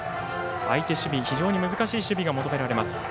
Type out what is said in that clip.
相手守備、非常に難しい守備が求められます。